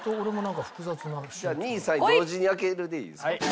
じゃあ２位３位同時に開けるでいいですか？